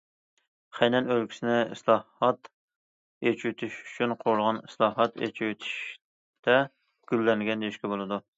خەينەن ئۆلكىسىنى« ئىسلاھات، ئېچىۋېتىش ئۈچۈن قۇرۇلغان، ئىسلاھات، ئېچىۋېتىشتە گۈللەنگەن» دېيىشكە بولىدۇ.